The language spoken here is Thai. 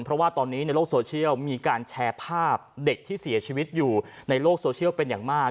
เพราะว่าตอนนี้ในโลกโซเชียลมีการแชร์ภาพเด็กที่เสียชีวิตอยู่ในโลกโซเชียลเป็นอย่างมาก